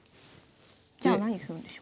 じゃあ何するんでしょう？